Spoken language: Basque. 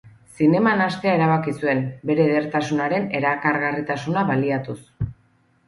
Zineman hastea erabaki zuen, bere edertasunaren erakargarritasuna baliatuz.